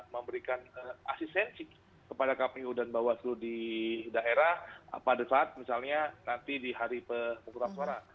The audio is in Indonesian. memberikan asistensi kepada kpu dan bawaslu di daerah pada saat misalnya nanti di hari pemutusan suara